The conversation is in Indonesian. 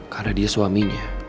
karena dia suaminya